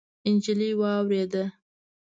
نجلۍ واورېده.